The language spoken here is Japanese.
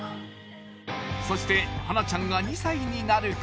そして葉菜ちゃんが２歳になる頃